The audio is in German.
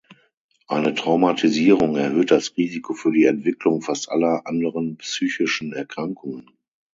Eine Traumatisierung erhöht das Risiko für die Entwicklung fast aller anderen psychischen Erkrankungen.